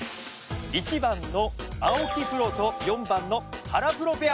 １番の青木プロと４番の原プロペア。